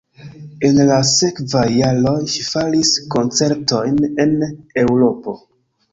En la sekvaj jaroj ŝi faris koncertojn en Eŭropo.